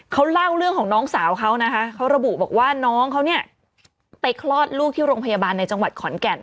เขาเล่าเรื่องของน้องสาวเขานะคะเขาระบุบอกว่าน้องเขาเนี่ยไปคลอดลูกที่โรงพยาบาลในจังหวัดขอนแก่น